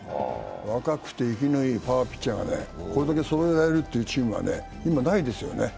若くて生きのいいパワーピッチャーがこれだけそろえられるというチームは今ないですよね。